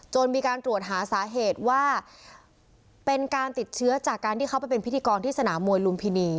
มีการตรวจหาสาเหตุว่าเป็นการติดเชื้อจากการที่เขาไปเป็นพิธีกรที่สนามมวยลุมพินี